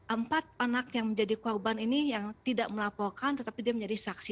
empat anak yang menjadi korban ini yang tidak melaporkan tetapi dia menjadi saksi